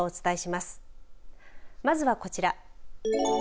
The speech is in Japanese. まずはこちら。